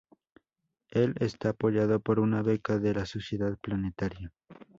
Él está apoyado por una beca de la Sociedad Planetaria.